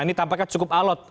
ini tampaknya cukup alot